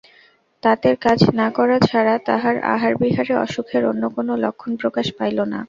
তাঁতের কাজ না করা ছাড়া তাহার আহারবিহারে অসুখের অন্য কোনো লক্ষণ প্রকাশ পাইল না।